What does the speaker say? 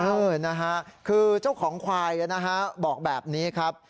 เออนะฮะคือเจ้าของควายนะฮะบอกแบบนี้ครับ